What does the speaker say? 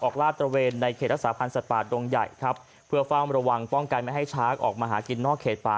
ลาดตระเวนในเขตรักษาพันธ์สัตว์ป่าดงใหญ่ครับเพื่อเฝ้าระวังป้องกันไม่ให้ช้างออกมาหากินนอกเขตป่า